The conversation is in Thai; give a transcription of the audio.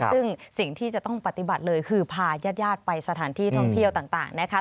ซึ่งสิ่งที่จะต้องปฏิบัติเลยคือพาญาติไปสถานที่ท่องเที่ยวต่างนะคะ